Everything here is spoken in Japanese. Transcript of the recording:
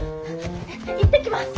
行ってきます。